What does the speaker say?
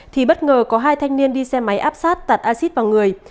thì bất ngờ có hai thanh niên đi xe máy áp sát tạt acid vào người